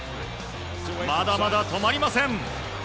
まだまだ、止まりません。